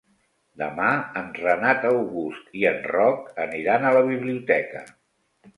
Demà en Renat August i en Roc aniran a la biblioteca.